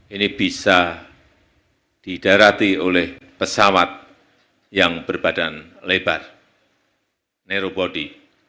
ini bisa didarati oleh pesawat yang berbadan lebar neurobody